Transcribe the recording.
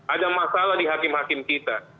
ada masalah di hakim hakim kita